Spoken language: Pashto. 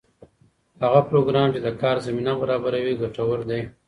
هغه پروګرام چې د کار زمینه برابروي ګټور دی.